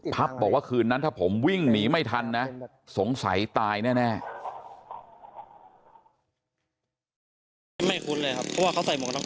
บอกว่าคืนนั้นถ้าผมวิ่งหนีไม่ทันนะสงสัยตายแน่